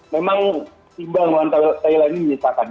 memang timbang lantai thailand ini menyisakan